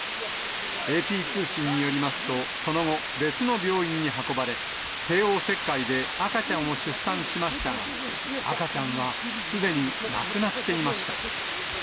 ＡＰ通信によりますと、その後、別の病院に運ばれ、帝王切開で赤ちゃんを出産しましたが、赤ちゃんはすでに亡くなっていました。